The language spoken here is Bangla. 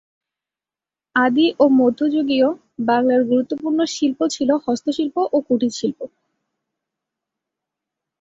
আদি ও মধ্যযুগীয় বাংলার গুরুত্বপূর্ণ শিল্প ছিল হস্তশিল্প ও কুটির শিল্প।